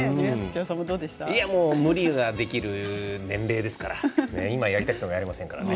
無理ができる年齢ですから今やりたくてもやれませんからね。